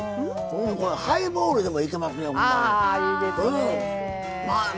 これハイボールでもいけますね。